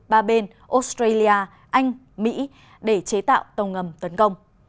ba bên australia anh mỹ để chế tạo tàu ngầm tấn công